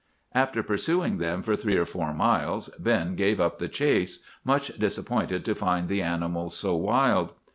"After pursuing them for three or four miles, Ben gave up the chase, much disappointed to find the animals so wild.